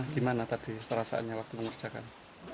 gimana tadi perasaannya waktu mengerjakan